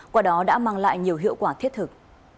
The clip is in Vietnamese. qua đó đã mang lại nhiều hiệu quả thiết thực